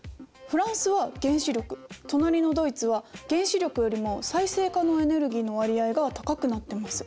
フランスは原子力隣のドイツは原子力よりも再生可能エネルギーの割合が高くなってます。